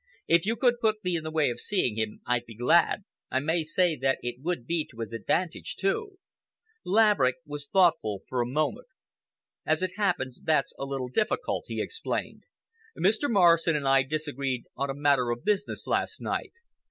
"If you could put me in the way of seeing him, I'd be glad. I may say that it would be to his advantage, too." Laverick was thoughtful for a moment. "As it happens, that's a little difficult," he explained. "Mr. Morrison and I disagreed on a matter of business last night.